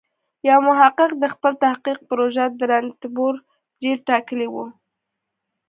یو محقق د خپل تحقیق پروژه د رنتبور جېل ټاکلی و.